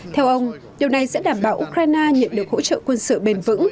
theo ông điều này sẽ đảm bảo ukraine nhận được hỗ trợ quân sự bền vững